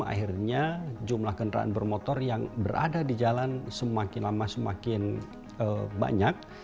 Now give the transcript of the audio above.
akhirnya jumlah kendaraan bermotor yang berada di jalan semakin lama semakin banyak